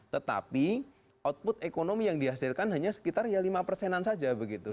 tetapi output ekonomi yang dihasilkan hanya sekitar ya lima persenan saja begitu